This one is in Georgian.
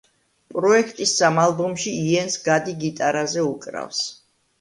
პროექტის სამ ალბომში იენს გადი გიტარაზე უკრავს.